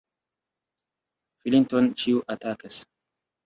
Falinton ĉiu atakas.